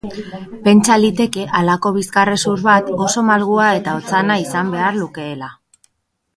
Pentsa liteke halako bizkarrezur bat oso malgua eta otzana izan behar lukeela.